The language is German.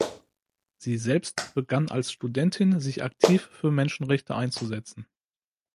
Sie selbst begann als Studentin sich aktiv für Menschenrechte einzusetzen.